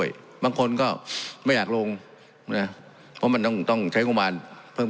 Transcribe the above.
เพราะมันก็มีเท่านี้นะเพราะมันก็มีเท่านี้นะ